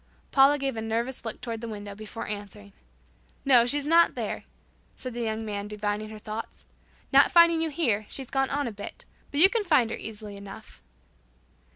Paula gave a nervous look toward the window before answering. "No, she's not there," said the young man, divining her thoughts. "Not finding you here, she's gone on a bit, but you can find her easily enough."